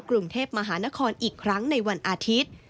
กรุงเทพมหานครอีกครั้งในวันอาทิตย์